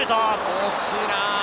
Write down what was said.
惜しいな。